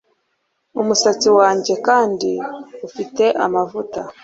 umusatsi wanjye kandi ufite amavuta